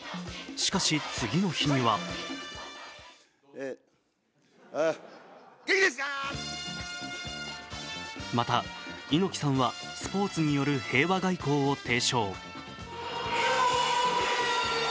しかし、次の日にはまた、猪木さんはスポーツによる平和外交を提唱。